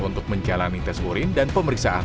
untuk menjalani tes urin dan pemeriksaan